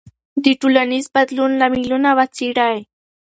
د ټولنیز بدلون لاملونه وڅېړئ.